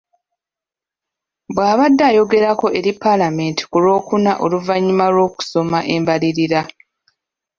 Bw’abadde ayogerako eri Paalamenti ku lwokuna oluvannyuma lw’okusoma embalirira.